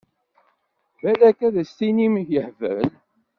Balak ad s-tinim yehbel.